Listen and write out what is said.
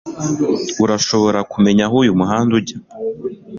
urashobora kumenya aho uyu muhanda ujya